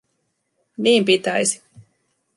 Niin pitäisi.